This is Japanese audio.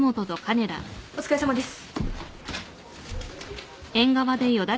お疲れさまです。